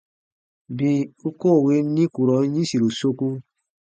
Bii u koo win nikurɔn yĩsiru soku.